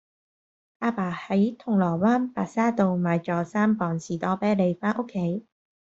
亞爸喺銅鑼灣白沙道買左三磅士多啤梨返屋企